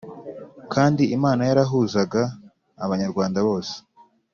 kandi Imana yarahuzaga Abanyarwanda bose: